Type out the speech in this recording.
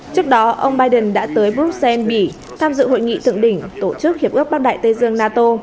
trước đó ông biden đã tới bruxelles bỉ tham dự hội nghị thượng đỉnh tổ chức hiệp ước bắc đại tây dương nato